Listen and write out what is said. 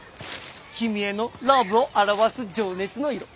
君へのラブを表す情熱の色。